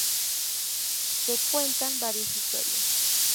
Se cuentan varias historias.